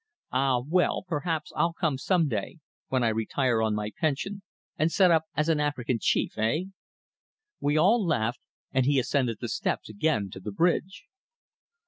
"Ah, well. Perhaps I'll come some day, when I retire on my pension and set up as an African chief eh?" We all laughed, and he ascended the steps again to the bridge.